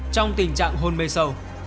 trong tình trạng hôn mê sầu